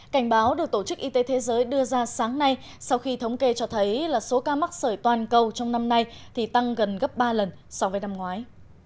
cảnh báo được tổ chức y tế thế giới đưa ra sáng nay sau khi thống kê cho thấy là số ca mắc sởi toàn cầu trong năm nay thì tăng gần gấp ba lần so với năm ngoái